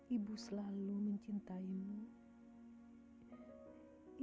ibu selalu mencintainmu